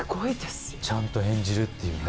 ちゃんと演じるっていうね。